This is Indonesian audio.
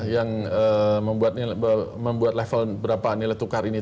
yang membuat level berapa nilai tukar ini